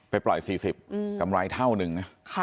ไปปล่อย๔๐บาทกำไรเท่านึง